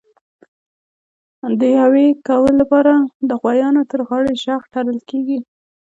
د یویې کولو لپاره د غوایانو تر غاړي ژغ تړل کېږي.